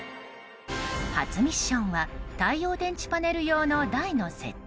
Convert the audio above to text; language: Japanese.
初ミッションは太陽電池パネル用の台の設置。